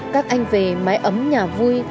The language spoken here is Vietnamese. các anh về mái ấm nhà vui